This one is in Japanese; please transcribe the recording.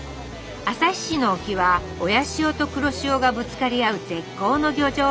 旭市の沖は親潮と黒潮がぶつかり合う絶好の漁場。